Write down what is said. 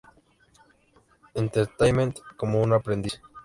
Entertainment como una aprendiz.